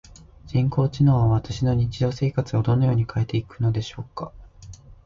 人工知能は私の日常生活をどのように変えていくのでしょうか？